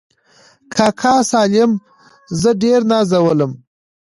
کاکا سالم زه ډېر نازولم.